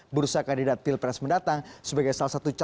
burusa kandidat pilpres mendatang sebagai salah satu ciptaan